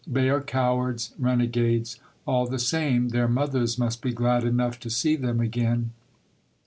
They are cowards, renegades. All the same, their mothers must be glad enough to see them again."